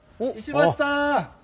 石橋さん！